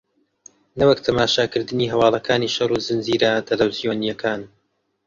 نەوەک تەماشاکردنی هەواڵەکانی شەڕ و زنجیرە تەلەفزیۆنییەکان